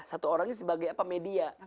satu orangnya sebagai media